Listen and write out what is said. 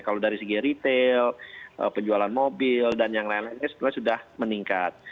kalau dari segi retail penjualan mobil dan yang lain lainnya sebenarnya sudah meningkat